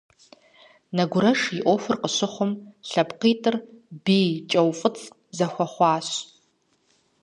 Нэгурэш и Ӏуэхур къыщыхъум, лъэпкъитӀыр бий кӀэуфӀыцӀ зэхуэхъуащ.